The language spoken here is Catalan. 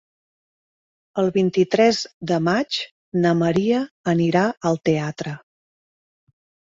El vint-i-tres de maig na Maria anirà al teatre.